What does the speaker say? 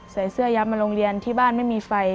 ใส่เสื้อยับมาโรงเรียนที่บ้านไม่มีไฟ